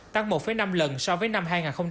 tăng một năm lần so với năm hai nghìn hai mươi hai